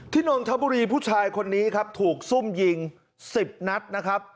นนทบุรีผู้ชายคนนี้ครับถูกซุ่มยิง๑๐นัดนะครับ